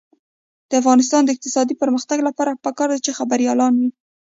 د افغانستان د اقتصادي پرمختګ لپاره پکار ده چې خبریالان وي.